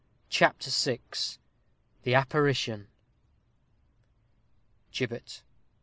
CHAPTER VI THE APPARITION _Gibbet.